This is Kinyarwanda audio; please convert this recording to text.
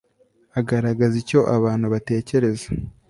agaragaza icyo abantu batekereza